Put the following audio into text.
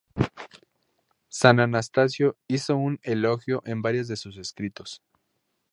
San Atanasio hizo un elogio en varios de sus escritos.